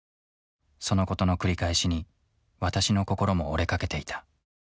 そのことの繰り返しに私の心も折れかけていた。